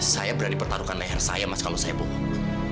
saya berani pertaruhkan leher saya mas kalau saya bohong